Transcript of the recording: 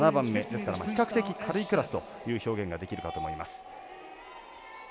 ですから比較的軽いクラスという表現ができるかと思います。